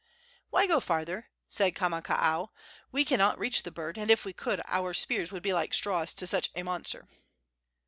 "Why go farther?" said Kamakaua. "We cannot reach the bird, and, if we could, our spears would be like straws to such a monster."